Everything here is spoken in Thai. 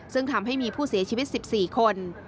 ซึ่งทำให้มีผู้เสียชีวิต๑๔คน